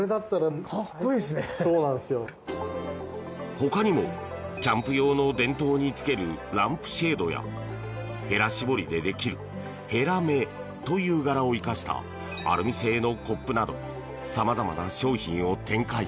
ほかにもキャンプ用の電灯につけるランプシェードやへら絞りでできるへら目という柄を生かしたアルミ製のコップなど様々な商品を展開。